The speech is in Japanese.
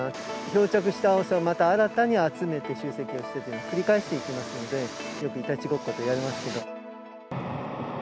漂着したアオサを、また新たに集めて集積をしてというのを繰り返していきますので、よくいたちごっこと言われますけど。